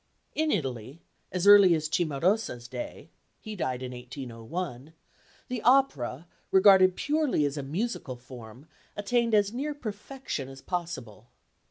In Italy, as early as Cimarosa's day he died in 1801 the opera, regarded purely as a musical form, attained as near perfection as possible.